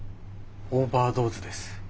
オーバードーズです。